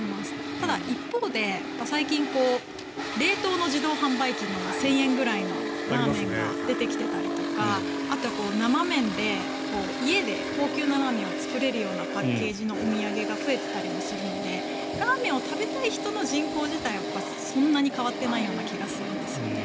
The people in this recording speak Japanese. ただ、一方で最近冷凍の自動販売機の１０００円ぐらいのラーメンが出てきてたりとかあとは生麺で家で高級なラーメンを作れるようなパッケージのお土産が増えていたりもするのでラーメンを食べたい人の人口自体はそんなに変わっていない気がするんですよね。